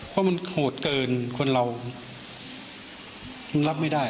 เพราะมันโหดเกินคนเรามันรับไม่ได้